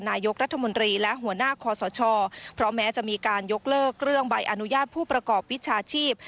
นายกรัฐมนตรีและหัวหน้าคอสชเพราะแม้จะมีการยกเลิกเรื่องใบอนุญาตผู้ประกอบวิชาชีพ